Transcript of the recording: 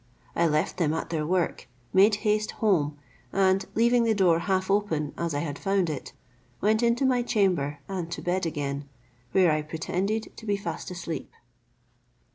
I left them at their work, made haste home, and leaving the door half open as I had found it, went into my chamber, and to bed again, where I pretended to be fast asleep.